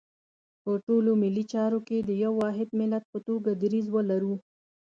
په ټولو ملي چارو کې د یو واحد ملت په توګه دریځ ولرو.